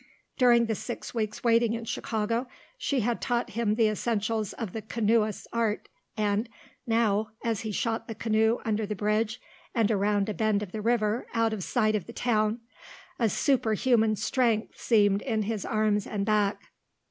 During the six weeks' waiting in Chicago she had taught him the essentials of the canoeist's art and, now, as he shot the canoe under the bridge and around a bend of the river out of sight of the town, a superhuman strength seemed in his arms and back.